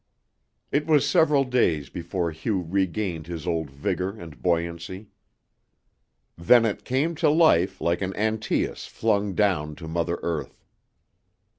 It was several days before Hugh regained his old vigor and buoyancy; then it came to life like an Antaeus flung down to mother earth.